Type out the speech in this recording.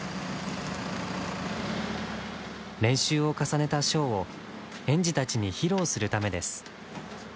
練習を重ねたショーを園児たちに披露するためです。